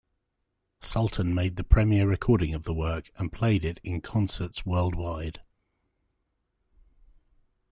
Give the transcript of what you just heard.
Sultan made the premiere recording of the work and played it in concerts worldwide.